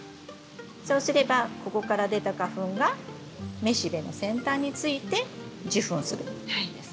そうすればここから出た花粉が雌しべの先端について受粉するんです。